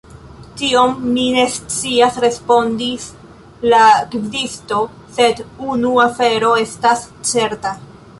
Tion mi ne scias, respondis la gvidisto; sed unu afero estas certa.